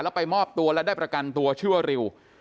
แล้วไปมอบตัวและได้ประกันตัวชื่อว่าริว